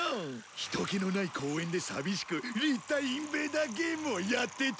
人気のない公園で寂しく立体インベーダーゲームをやってた。